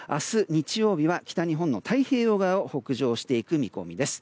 日曜日は北日本の太平洋側を北上していく見込みです。